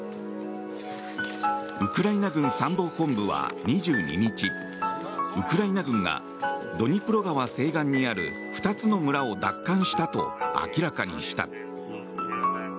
ウクライナ軍参謀本部は２２日ウクライナ軍がドニプロ川西岸にある２つの村を奪還したと明らかにした。